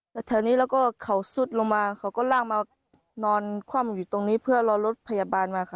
แล้วแถวนี้แล้วก็เขาซุดลงมาเขาก็ลากมานอนคว่ำอยู่ตรงนี้เพื่อรอรถพยาบาลมาค่ะ